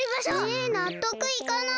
えなっとくいかない！